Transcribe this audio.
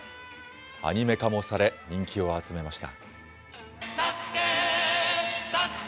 アニメ化もされ、人気を集めました。